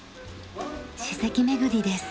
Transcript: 史跡巡りです。